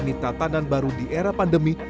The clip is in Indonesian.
masyarakat dalam menjalani tatanan baru di era pandemi